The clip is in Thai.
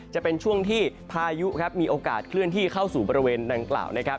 จะเป็นช่วงที่พายุครับมีโอกาสเคลื่อนที่เข้าสู่บริเวณดังกล่าวนะครับ